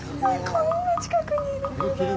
こんな近くにいる。